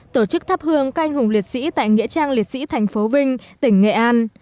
tổ chức thắp hương canh hùng liệt sĩ tại nghĩa trang liệt sĩ thành phố vinh tỉnh nghệ an